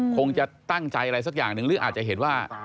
คงจะตั้งใจอะไรสักอย่างหนึ่งหรืออาจจะเห็นว่า